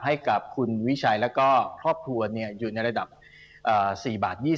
ให้กับคุณวิชัยแล้วก็ครอบครัวอยู่ในระดับ๔บาท